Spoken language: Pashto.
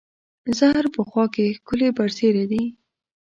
زهر په خوا کې، ښکلې برسېرې دي